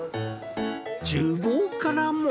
ちゅう房からも。